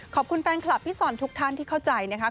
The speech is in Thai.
ขอบคุณแฟนคลับพี่สอนทุกท่านที่เข้าใจนะคะ